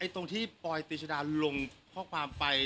ตรงที่ปอยติชดาลงข้อความไป